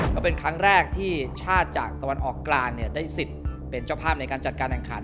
ก็เป็นครั้งแรกที่ชาติจากตะวันออกกลางได้สิทธิ์เป็นเจ้าภาพในการจัดการแข่งขัน